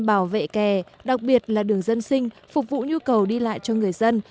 bảo vệ kè đặc biệt là đường dân sinh phục vụ nhu cầu đi lại cho người dân